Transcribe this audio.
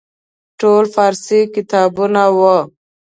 ټول فارسي کتابونه وو.